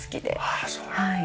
ああそう。